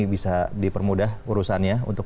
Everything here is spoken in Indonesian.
bisa dipermudah urusannya untuk